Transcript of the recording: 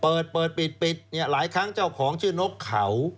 เปิดเปิดปิดปิดเนี่ยหลายครั้งเจ้าของชื่อนกเขา